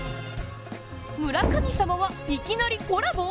村神様は、いきなりコラボ！